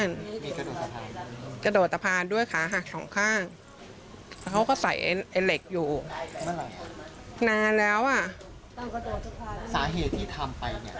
อาเหตุที่ทำไปเนี่ยคือจากเรื่องเงิน